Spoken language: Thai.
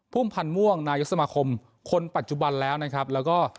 พันธ์ม่วงนายกสมาคมคนปัจจุบันแล้วนะครับแล้วก็